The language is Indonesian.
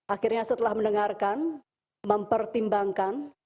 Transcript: akhirnya setelah mendengarkan mempertimbangkan